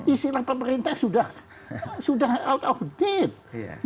istilah pemerintah sudah out of audit